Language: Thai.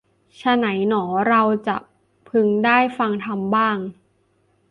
ไฉนหนอเราจะพึงได้ฟังธรรมบ้าง